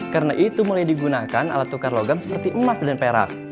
karena itu mulai digunakan alat tukar logam seperti emas dan perak